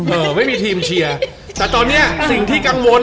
เอ่อไม่มีทีมเชียร์แต่ตอนเนี้ยสิ่งที่กังวล